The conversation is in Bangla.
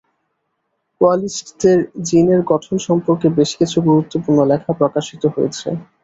কোয়ালিস্টদের জীনের গঠন সম্পর্কে বেশ কিছু গুরুত্বপূর্ণ লেখা প্রকাশিত হয়েছে।